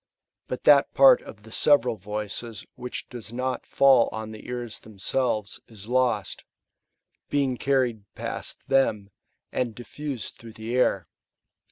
But that part of the several voices which does not fall on the ears them selves, is lost, being carried past them, and difiused through the air.